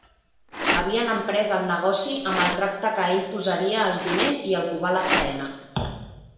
Havien emprès el negoci amb el tracte que ell posaria els diners i el Cubà la faena.